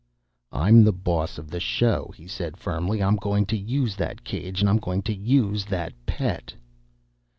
"I'm the boss of the show," he said firmly. "I'm goin' to use that cage, and I'm goin' to use the Pet."